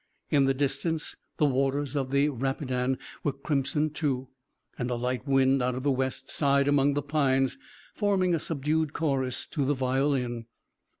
In the distance the waters of the Rapidan were crimson, too, and a light wind out of the west sighed among the pines, forming a subdued chorus to the violin.